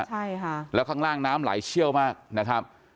ใช่ค่ะแล้วข้างล่างน้ำไหลเชี่ยวมากนะครับ